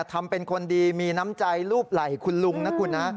ทำเป็นคนดีมีน้ำใจลูบไหล่คุณลุงนะคุณนะ